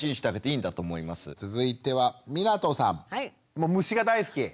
もう虫が大好き？